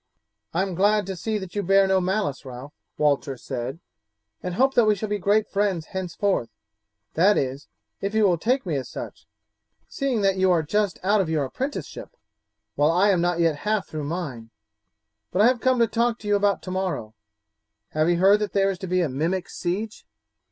"I am glad to see that you bear no malice, Ralph," Walter said, "and hope that we shall be great friends henceforth, that is, if you will take me as such, seeing that you are just out of your apprenticeship, while I am not yet half through mine. But I have come to talk to you about tomorrow. Have you heard that there is to be a mimic siege?"